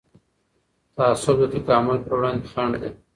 تعصب د تکامل پر وړاندې خنډ دی